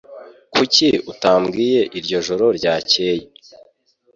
Kuki utambwiye iryo joro ryakeye?